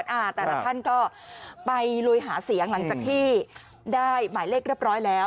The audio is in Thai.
แต่ละท่านก็ไปลุยหาเสียงหลังจากที่ได้หมายเลขเรียบร้อยแล้ว